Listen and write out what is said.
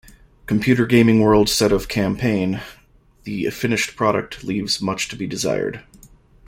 "Computer Gaming World" said of "Campaign", "the finished product leaves much to be desired".